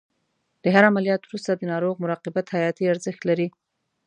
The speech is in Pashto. د هر عملیات وروسته د ناروغ مراقبت حیاتي ارزښت لري.